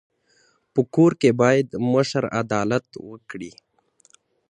په کور کي بايد مشر عدالت وکړي.